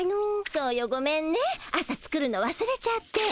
そうよごめんね朝作るのわすれちゃって。